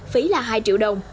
phí là hai triệu đồng